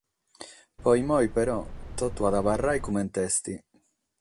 Pro como, però, totu at a abarrare comente est.